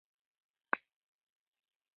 مهارت له تمرین پیدا کېږي.